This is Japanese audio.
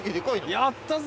やったぜ。